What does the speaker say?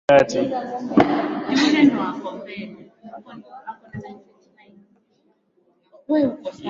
anaona huu ni wakati mwafaka wa wananchi wote kupewa nafasi ya kujiandikisha